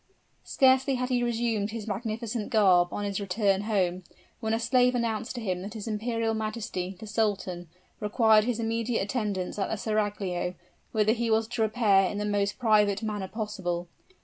Scarcely had he resumed his magnificent garb, on his return home, when a slave announced to him that his imperial majesty, the sultan, required his immediate attendance at the seraglio, whither he was to repair in the most private manner possible.